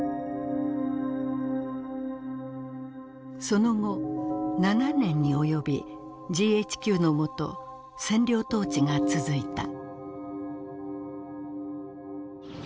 その後７年におよびＧＨＱのもと占領統治が続いた。